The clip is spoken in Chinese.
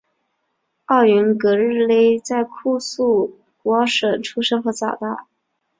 奥云格日勒在库苏古尔省出生和长大。